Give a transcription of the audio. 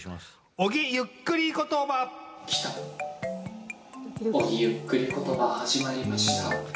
小木ゆっくり言葉、始まりました。